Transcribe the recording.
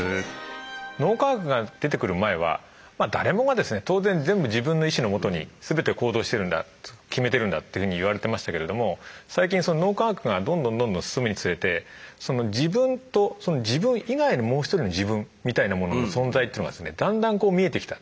脳科学が出てくる前は誰もがですね当然全部自分の意志のもとに全て行動してるんだって決めてるんだっていうふうに言われてましたけれども最近脳科学がどんどんどんどん進むにつれて自分と自分以外の「もう１人の自分」みたいなものの存在っていうのがだんだん見えてきた。